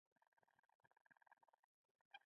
ماشومانو ډېره پاملرنه غوښتله.